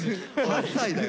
８歳だよ。